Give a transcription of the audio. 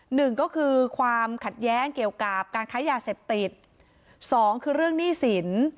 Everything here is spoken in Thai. หนึ่งก็คือความขัดแย้งเกี่ยวกับการค้ายาเสพติดสองคือเรื่องหนี้สิน